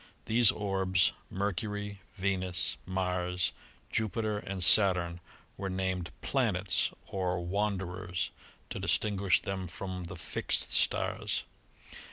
These orbs, Mercury, Venus, Mars, Jupiter and Saturn, were named "planets" or "wanderers" to distin guish them from the "fixed" stars.